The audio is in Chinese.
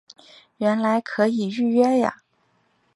原来可以预约呀